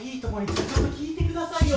聞いてくださいよ！